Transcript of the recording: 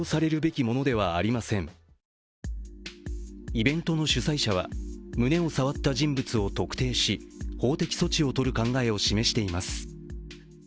イベントの主催者は胸を触った人物を特定し法的措置を取る考えを示しています。